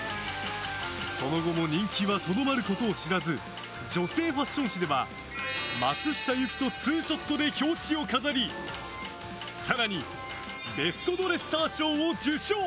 その後も人気はとどまることを知らず女性ファッション誌では松下由樹とツーショットで表紙を飾り更にベストドレッサー賞を受賞。